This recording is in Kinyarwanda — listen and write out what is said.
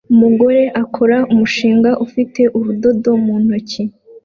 Umugore akora umushinga ufite urudodo mu ntoki